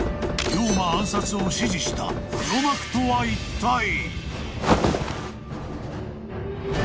［龍馬暗殺を指示した黒幕とはいったい！？］